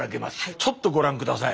ちょっとご覧下さい。